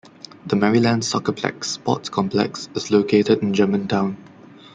The Maryland SoccerPlex sports complex is located in Germantown.